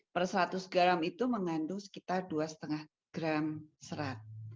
per seratus garam itu mengandung sekitar dua lima gram serat